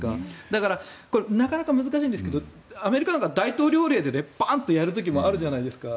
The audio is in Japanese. だから、なかなか難しいんですがアメリカなんかは大統領令でバンとやる時もあるじゃないですか。